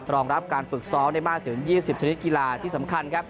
รองรับการฝึกซ้อมได้มากถึง๒๐ชนิดกีฬาที่สำคัญครับ